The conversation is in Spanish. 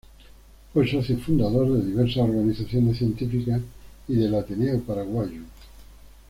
Fue socio fundador de diversas organizaciones científicas y del Ateneo Paraguayo.